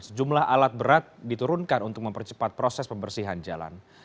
sejumlah alat berat diturunkan untuk mempercepat proses pembersihan jalan